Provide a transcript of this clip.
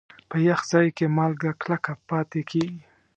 په یخ ځای کې مالګه کلکه پاتې کېږي.